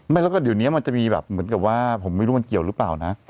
แล้วก็เดี๋ยวนี้มันจะมีแบบเหมือนกับว่าผมไม่รู้มันเกี่ยวหรือเปล่านะ